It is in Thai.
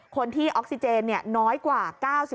คนที่ออกซิเจนน้อยกว่า๙๕